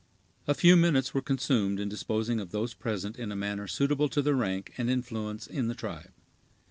A few minutes were consumed in disposing of those present in a manner suitable to their rank and influence in the tribe.